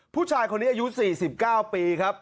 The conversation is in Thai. ผู้ชายคนนี้อายุ๔๙ปีครับ